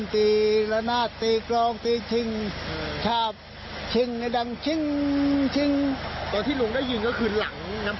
แต่ที่ลุงได้ยืนก็คืองรั่งน้ำพุนี่หรือครับ